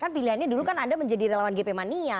kan pilihannya dulu kan anda menjadi relawan gp mania